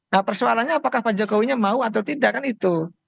nah persoalannya apakah pak jokowinya mau atau tidak kan itu